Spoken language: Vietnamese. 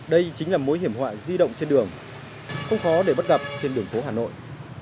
đây chính là mối hiểm họa di động trên đường không khó để bắt gặp trên đường phố hà nội